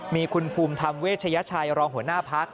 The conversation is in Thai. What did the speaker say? มีคุณภูมิธรรมเวชยชัยรองหัวหน้าพัก